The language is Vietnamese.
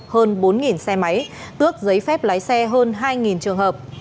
hơn bốn xe máy tước giấy phép lái xe hơn hai trường hợp